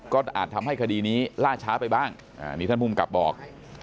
ก็อาจทำให้คดีนี้ล่าช้าไปบ้างนี่ท่านภูมิกับบอก